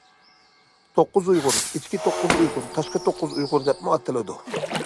« توققۇز ئۇيغۇر»—« ئىچكى توققۇز ئۇيغۇر»،« تاشقى توققۇز ئۇيغۇر» دەپمۇ ئاتىلىدۇ.